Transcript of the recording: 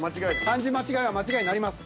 漢字間違いは間違いになります。